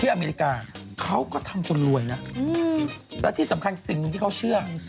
อเมริกาเขาก็ทำจนรวยนะและที่สำคัญสิ่งหนึ่งที่เขาเชื่อ